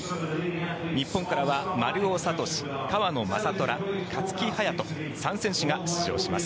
日本からは丸尾知司川野将虎、勝木隼人３選手が出場します。